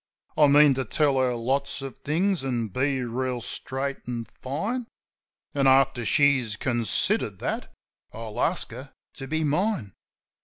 I mean to tell her lots of things, an' be reel straight an' fine ; And, after she's considered that, I'll ask her to be mine.